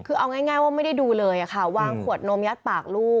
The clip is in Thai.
คือเอาง่ายว่าไม่ได้ดูเลยค่ะวางขวดนมยัดปากลูก